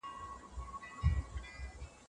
بهرنی سياست څنګه پلی کېږي؟